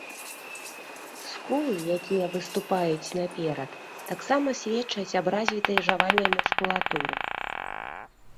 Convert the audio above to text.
Скулы, якія выступаюць наперад, таксама сведчаць аб развітай жавальнай мускулатуры.